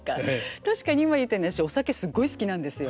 確かに今言ったように私お酒すごい好きなんですよ。